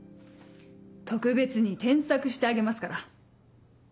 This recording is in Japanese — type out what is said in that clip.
特別に添削してあげますから。